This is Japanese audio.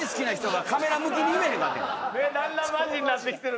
だんだんマジになってきてる。